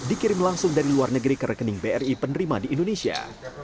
dikirim langsung dari luar negeri ke rekening bri penerima di indonesia